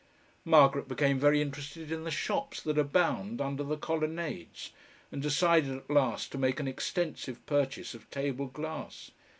Margaret became very interested in the shops that abound under the colonnades and decided at last to make an extensive purchase of table glass.